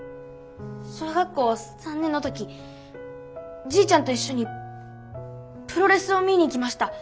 小学校３年の時じいちゃんと一緒にプロレスを見に行きました。